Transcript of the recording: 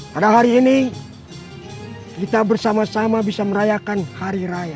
pada hari ini kita bersama sama bisa merayakan hari raya